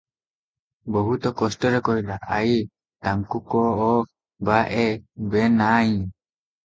ବହୁତ କଷ୍ଟରେ କହିଲା, "ଆଈ-ତା-ଙ୍କୁ-କ-ଅ- ବା-ଏ-ବେ-ନା-ଇଁ ।"